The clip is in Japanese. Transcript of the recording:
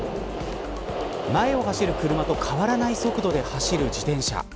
前を走る車と変わらない速度で走る自転車。